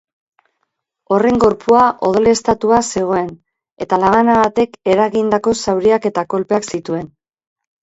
Horren gorpua odoleztatuta zegoen, eta labana batek eragindako zauriak eta kolpeak zituen.